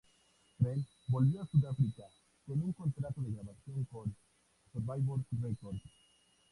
Tree volvió a Sudáfrica con un contrato de grabación con Survivor Records.